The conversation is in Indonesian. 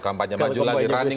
kampanye maju lagi running lagi ya